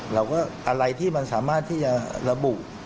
อะไรที่มันสามารถที่จะระบุ